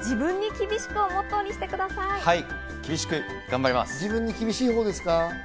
自分に厳しいほうですか？